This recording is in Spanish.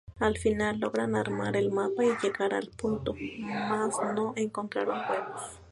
Al final, logran armar el mapa y llegar al punto; más no encontraron huevos.